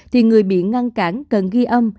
thì người bị ngăn cản cần ghi âm